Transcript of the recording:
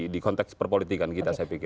di konteks perpolitikan kita saya pikir